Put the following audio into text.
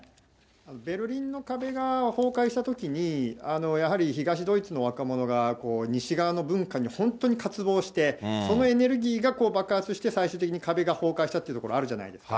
ベルリンの壁が崩壊したときに、やはり東ドイツの若者が西側の文化に本当に渇望して、そのエネルギーが爆発して最終的に壁が崩壊したっていうところあるじゃないですか。